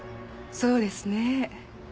そうですね